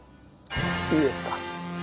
いいですか？